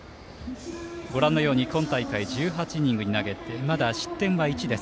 ご覧のように今大会１８イニングを投げてまだ失点は１です。